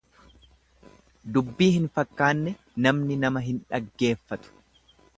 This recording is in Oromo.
Dubbii hin fakkaanne namni nama hin dhaggeeffatu.